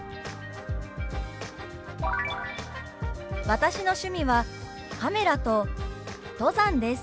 「私の趣味はカメラと登山です」。